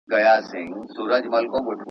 کله باید خپل رواني دردونه پر کاغذ ولیکو؟